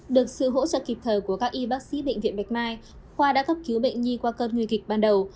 được sự hỗ trợ kịp thời của các y bác sĩ bệnh viện bạch mai khoa đã cấp cứu bệnh nhi qua cơn nguy kịch ban đầu